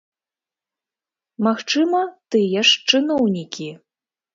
Магчыма, тыя ж чыноўнікі.